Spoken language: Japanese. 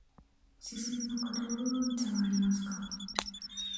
おすすめの黒烏龍茶はありますか。